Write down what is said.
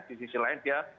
di sisi lain dia